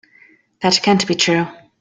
That can't be true.